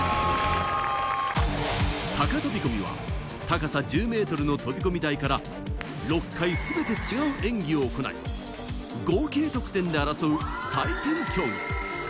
高飛込は高さ１０ｍの飛込台から６回すべて演技を行い、合計得点で争う、採点競技。